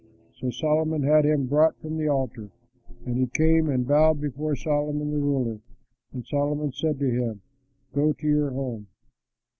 So Solomon had him brought from the altar. And he came and bowed before Solomon the ruler. And Solomon said to him, "Go to your home."